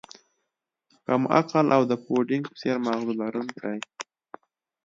کم عقل او د پوډینګ په څیر ماغزه لرونکی